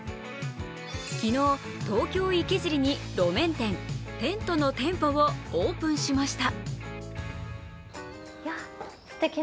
昨日、東京・池尻に路面店ＴＥＮＴのＴＥＭＰＯをオープンしました。